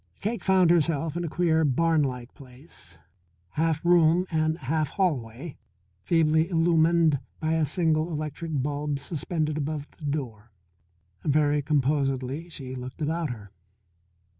Cake found herself in a queer, barnlike place, half room and half hallway, feebly illumined by a single electric bulb suspended above the door. Very composedly she looked about her.